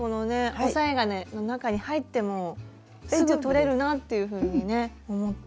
押さえ金の中に入ってもすぐ取れるなっていうふうにね思って。